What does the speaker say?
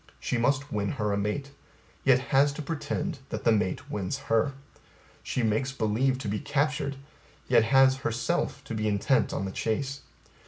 She must win her a mate, yet has to pretend that the mate wins her. She makes believe to be captured, yet has herself to be intent on the chase.